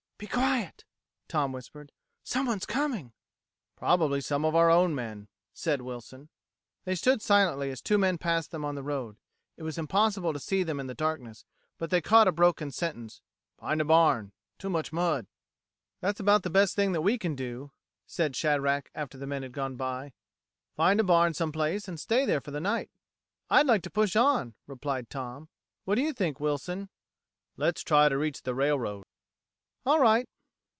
"Be quiet!" Tom whispered. "Someone's coming." "Probably some of our own men," said Wilson. They stood silently as two men passed them on the road. It was impossible to see them in the darkness, but they caught a broken sentence, "...find a barn ... too much mud...." "That's about the best thing that we can do," said Shadrack, after the men had gone by. "Find a barn some place, and stay there for the night." "I'd like to push on," replied Tom. "What do you think, Wilson?" "Let's try to reach the railroad." "All right."